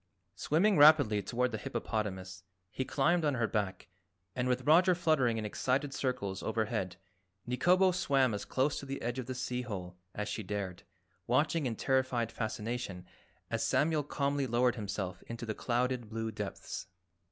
Swimming rapidly toward the hippopotamus, he climbed on her back and with Roger fluttering in excited circles overhead Nikobo swam as close to the edge of the sea hole as she dared, watching in terrified fascination as Samuel calmly lowered himself into the clouded blue depths.